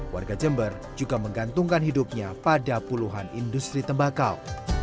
warga jember juga menggantungkan hidupnya pada puluhan industri tembakau